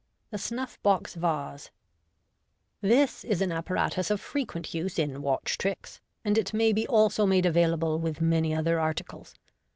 The Skuff box Vase. — This is an apparatus of frequent use in Watch Tricks, and it may be also made available with many other articles.